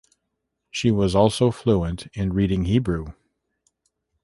She was also fluent in reading Hebrew.